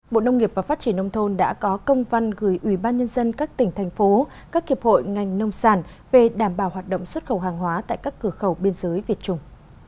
bộ nông nghiệp và phát triển nông thôn đã có công văn gửi ubnd các tỉnh thành phố các hiệp hội ngành nông sản về đảm bảo hoạt động xuất khẩu hàng hóa tại các cửa khẩu biên giới việt trung